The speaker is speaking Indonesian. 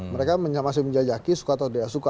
mereka masih menjajaki suka atau tidak suka